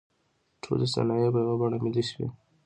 ټولې صنایع په یوه بڼه ملي شوې.